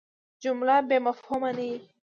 جمله بېمفهومه نه يي.